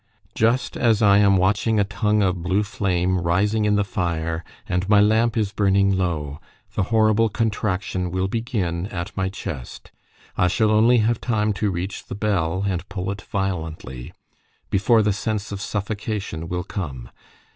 Just as I am watching a tongue of blue flame rising in the fire, and my lamp is burning low, the horrible contraction will begin at my chest. I shall only have time to reach the bell, and pull it violently, before the sense of suffocation will come.